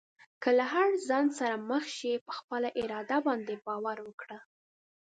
که له هر خنډ سره مخ شې، په خپل اراده باندې باور وکړه.